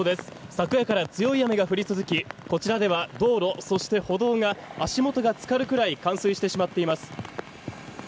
昨夜から強い雨が降り続きこちらでは道路、そして歩道が足元が漬かるくらい冠水してしまっています。